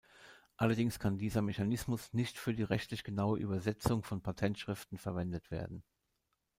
Allerdings kann dieser Mechanismus nicht für die rechtlich genaue Übersetzung von Patentschriften verwendet werden.